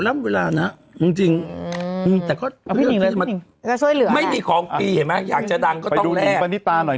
ไม่ได้ค่ะทำไมไม่ได้ถามกันอย่างนี้